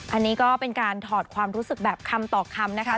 อันนี้ก็เป็นการถอดความรู้สึกแบบคำต่อคำนะคะ